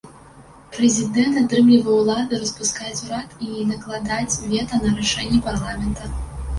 Прэзідэнт атрымліваў ўлада распускаць урад і накладаць вета на рашэнні парламента.